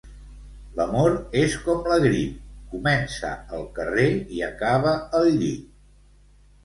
L'amor és com la grip: comença al carrer i acaba al llit.